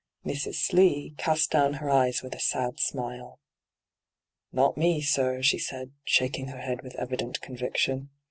Mrs. Slee oast down her eyes with a sad smile. ' Not me, sir,' she said, shaking her head with evident conviction.